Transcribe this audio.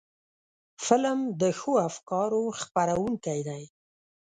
قلم د ښو افکارو خپرونکی دی